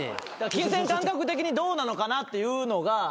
金銭感覚的にどうなのかなっていうのが。